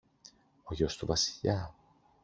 Ο γιος του Βασιλιά!